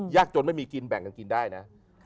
จนไม่มีกินแบ่งกันกินได้นะ